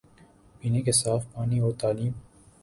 پینے کے صاف پانی اور تعلیم